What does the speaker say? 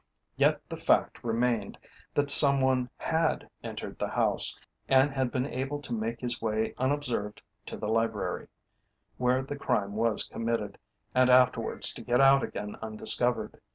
Yet the fact remained that some one had entered the house, and had been able to make his way unobserved to the library, where the crime was committed, and afterwards to get out again undiscovered.